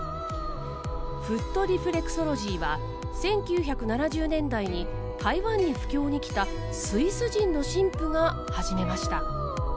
フットリフレクソロジーは１９７０年代に台湾に布教に来たスイス人の神父が始めました。